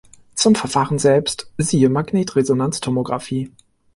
Zum Verfahren selbst siehe Magnetresonanztomographie.